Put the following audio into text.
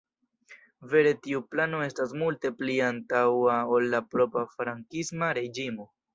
Vere tiu plano estas multe pli antaŭa ol la propra frankisma reĝimo.